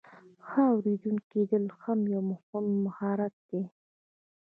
ښه اوریدونکی کیدل هم یو مهم مهارت دی.